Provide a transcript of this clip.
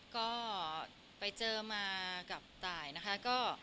ก็ไปเจอมากับตายนะคะก็